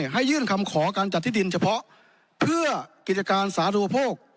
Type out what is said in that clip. ให้ยื่นคำขอการจัดที่ดินเฉพาะเพื่อกิจการสาธุปโภค